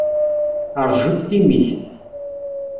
Ṛjut timikt.